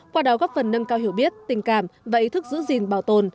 qua đó góp phần nâng cao hiểu biết tình cảm và ý thức giữ gìn bảo tồn